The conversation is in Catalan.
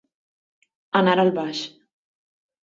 Anar al baix.